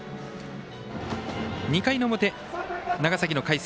２回の表、長崎の海星。